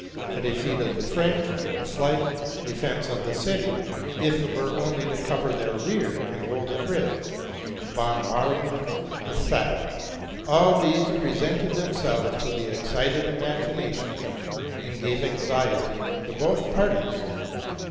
A defeat of the Peale. a flight, a defence of the city, if it were only to cover their rear and hold the bridge, a bombardment, a sack, all these presented themselves to the excited imagination, and gave anxiety to both parties.